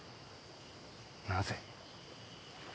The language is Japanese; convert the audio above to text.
なぜ？